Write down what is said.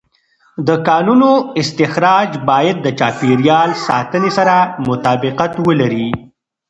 د کانونو استخراج باید د چاپېر یال ساتنې سره مطابقت ولري.